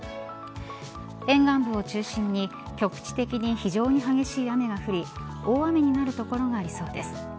沿岸部を中心に局地的に非常に激しい雨が降り大雨になる所がありそうです。